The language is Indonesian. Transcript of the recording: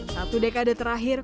satu dekade terakhir